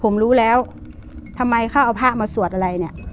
ผมรู้แล้วทำไมเขาเอาพระมาสวดอะไรเนี่ย